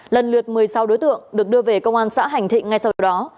lần lượt một mươi sáu đối tượng được đưa về công an xã hành thịnh ngay sau đó